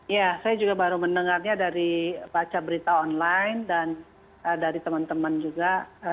ya saya juga baru mendengarnya dari baca berita online dan dari teman teman juga